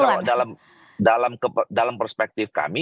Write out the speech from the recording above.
kalau dalam perspektif kami